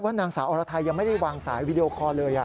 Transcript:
นางสาวอรไทยยังไม่ได้วางสายวีดีโอคอร์เลย